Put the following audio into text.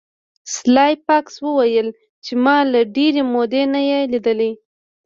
سلای فاکس وویل چې ما له ډیرې مودې نه یې لیدلی